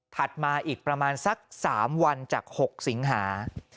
มาอีกประมาณสัก๓วันจาก๖สิงหา